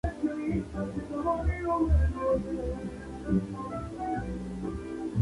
Hasta entonces la población más grande de la parroquia era Villa.